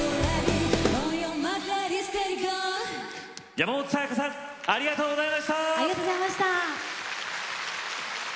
山本彩さんありがとうございました。